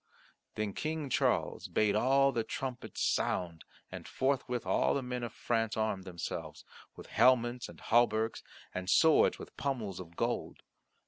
Then King Charles bade all the trumpets sound, and forthwith all the men of France armed themselves, with helmets, and hauberks, and swords with pummels of gold.